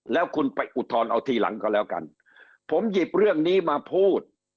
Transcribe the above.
แล้วคุณไปอุทธรณ์เอาทีหลังก็แล้วกันผมหยิบเรื่องนี้มาพูด